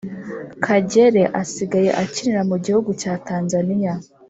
Kagere asigaye akinira mu gihugu cya tanzaniya